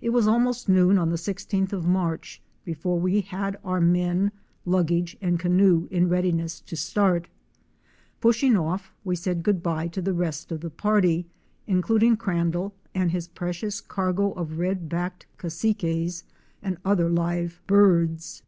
It was almost noon on the 16th of March before we had our men, luggage and canoe in readiness to start. Pushing off we said good by to the rest of the party; including Cran dall and his precious cargo of Red backed Cassiques and other live birds.